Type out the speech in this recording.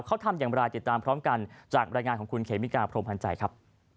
เขาทำอย่างไรติดตามพร้อมกันจากบรรยายงานของคุณเขมิกาพรมพันธ์ใจครับ